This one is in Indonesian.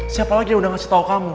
siapa lagi yang udah ngasih tau kamu